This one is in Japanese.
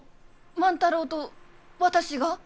万太郎と私が？